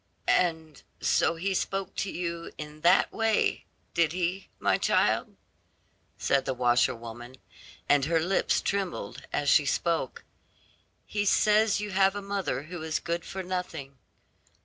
"And so he spoke to you in that way, did he, my child?" said the washer woman, and her lips trembled as she spoke. "He says you have a mother who is good for nothing.